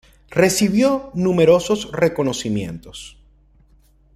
Recibió numerosos reconocimientos.